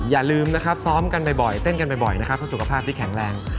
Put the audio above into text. อย่าลืมซ้อมกันบ่อยเต้นกันบ่อยให้สุขภาพที่แข็งแรง